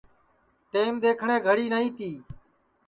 ٹیم دؔیکھٹؔے گھڑی نائی تی